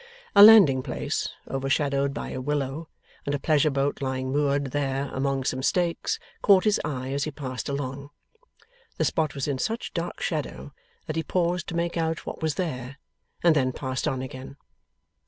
A landing place overshadowed by a willow, and a pleasure boat lying moored there among some stakes, caught his eye as he passed along. The spot was in such dark shadow, that he paused to make out what was there, and then passed on again.